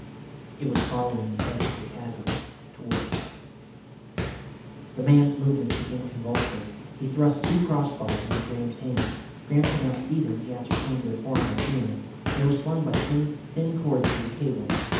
It was following the edge of the chasm towards them. The man's movements became convulsive. He thrust two cross bars into Graham's hand. Graham could not see them, he ascertained their form by feeling. They were slung by thin cords to the cable.